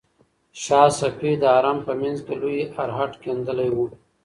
شاه صفي د حرم په منځ کې لوی ارهډ کیندلی و.